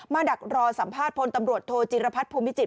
ดักรอสัมภาษณ์พลตำรวจโทจิรพัฒน์ภูมิจิต